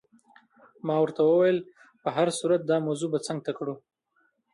ما ورته وویل: په هر صورت دا موضوع به څنګ ته کړو.